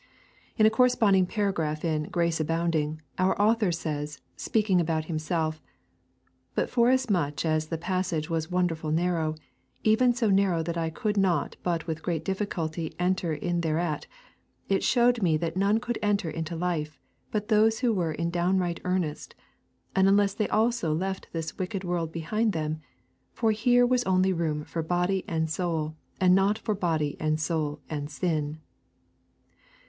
In the corresponding paragraph in Grace Abounding, our author says, speaking about himself: 'But forasmuch as the passage was wonderful narrow, even so narrow that I could not but with great difficulty enter in thereat, it showed me that none could enter into life but those that were in downright earnest, and unless also they left this wicked world behind them; for here was only room for body and soul, but not for body and soul and sin.'